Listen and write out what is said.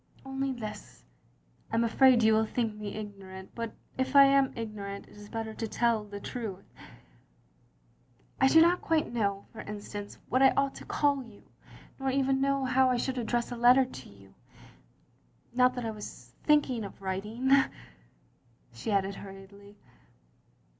" "Only this: I am afraid you will think me ignorant, but if I aw ignorant, it is better to tell the truth. I do not quite know, for instance, what I ought to call you, nor even know how I should address a letter to you — ^not that I was thinking of writing —" she added hurriedly.